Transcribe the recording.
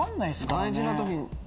大事な時に。